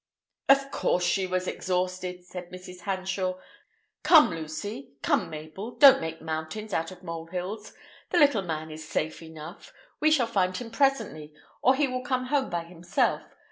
"Of course she was exhausted," said Mrs. Hanshaw. "Come, Lucy: come, Mabel; don't make mountains out of molehills. The little man is safe enough. We shall find him presently, or he will come home by himself.